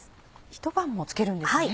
ひと晩もつけるんですね。